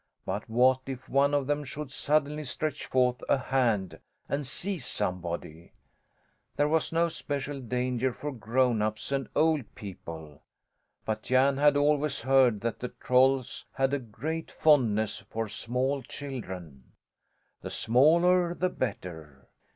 But what if one of them should suddenly stretch forth a hand and seize somebody? There was no special danger for grown ups and old people; but Jan had always heard that the trolls had a great fondness for small children the smaller the better.